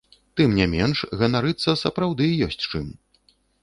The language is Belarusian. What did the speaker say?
Тым не менш ганарыцца сапраўды ёсць чым.